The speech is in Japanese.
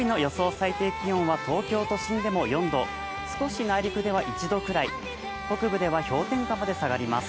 最低気温は東京都心でも４度、少し内陸では１度ぐらい、北部では氷点下まで下がります。